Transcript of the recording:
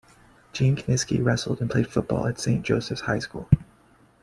Gene Kiniski wrestled and played football at Saint Joseph's High School.